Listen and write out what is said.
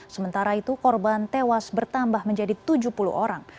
sementara itu korban tewas bertambah menjadi tujuh puluh orang